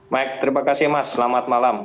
baik terima kasih mas selamat malam